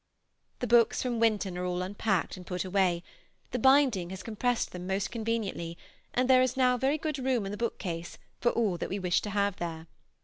The books from Winton are all unpacked and put away; the binding has compressed them most conveniently, and there is now very good room in the bookcase for all that we wish to have there.